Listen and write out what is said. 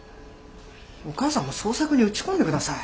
お母さんも創作に打ち込んで下さい。